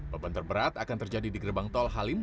beban terberat akan terjadi di gerbang tol halim